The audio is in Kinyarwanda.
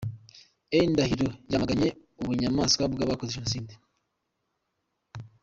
E Ndahiro yamaganye ubunyamaswa bw’abakoze Jenoside.